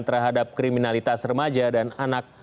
terhadap kriminalitas remaja dan anak